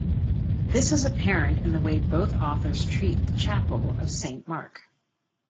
This is apparent in the way both authors treat the chapel of Saint Mark.